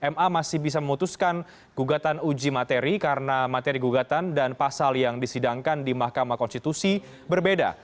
ma masih bisa memutuskan gugatan uji materi karena materi gugatan dan pasal yang disidangkan di mahkamah konstitusi berbeda